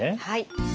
はい。